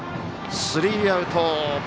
スリーアウト。